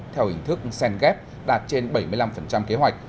theo hình thức sen ghép đạt trên bảy mươi năm kế hoạch